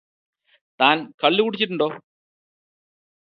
താന് കള്ളുകുടിച്ചിട്ടുണ്ടോ